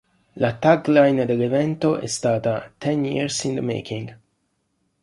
La tagline dell'evento è stata "Ten Years in the Making".